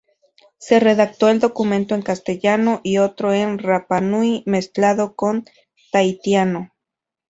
Se redactó el documento en castellano y otro en rapanui mezclado con tahitiano.